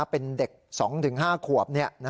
เป็นเด็ก๒๕ขวบ